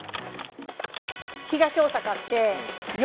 東大阪って横。